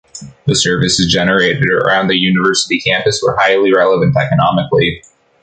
The services generated around the university campus were highly relevant economically.